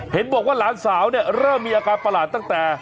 เห็นบอกว่าหลานสาวเนี่ยเริ่มมีอาการประหลาดตั้งแต่